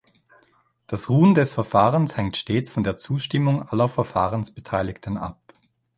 Das Ruhen des Verfahrens hängt stets von der Zustimmung aller Verfahrensbeteiligten ab.